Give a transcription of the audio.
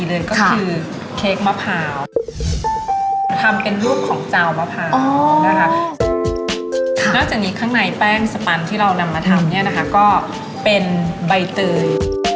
เลยก็คือเค้กมะพราวทำเป็นรูปของเจ้ามะพราวนะคะนอกจากนี้ข้างในแป้งสปันที่เรานำมาทำเนี่ยนะคะก็เป็นใบเตือน